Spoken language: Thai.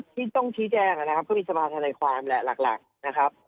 ที่ต้องชี้แจงนะครับก็มีสภาธนาความแหละหลักนะครับ